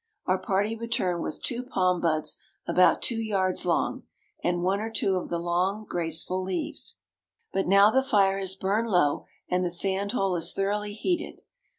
Our party returned with two palm buds about two yards long, and one or two of the long, graceful leaves. But now the fire has burned low, and the sand hole is thoroughly heated.